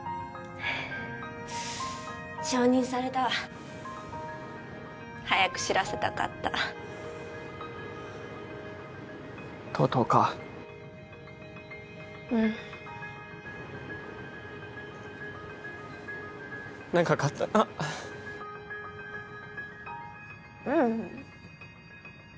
承認されたわ早く知らせたかったとうとうかうん長かったなうん